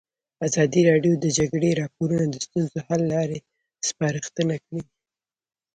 ازادي راډیو د د جګړې راپورونه د ستونزو حل لارې سپارښتنې کړي.